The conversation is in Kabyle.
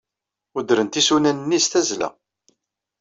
Udrent isunan-nni s tazzla.